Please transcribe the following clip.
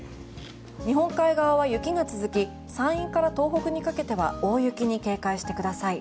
日本海側は雪が続き山陰から東北にかけては大雪に警戒してください。